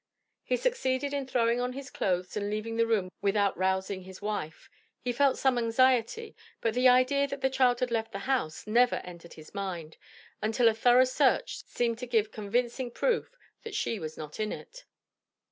He succeeded in throwing on his clothes and leaving the room without rousing his wife. He felt some anxiety, but the idea that the child had left the house never entered his mind until a thorough search seemed to give convincing proof that she was not in it.